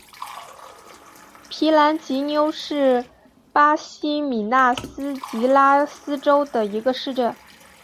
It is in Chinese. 皮兰吉纽是巴西米纳斯吉拉斯州的一个市镇。